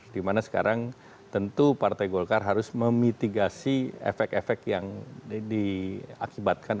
dimana sekarang tentu partai golkar harus memitigasi efek efek yang diakibatkan